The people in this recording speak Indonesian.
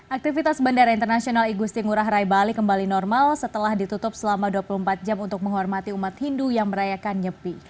aktivitas bandara internasional igusti ngurah rai bali kembali normal setelah ditutup selama dua puluh empat jam untuk menghormati umat hindu yang merayakan nyepi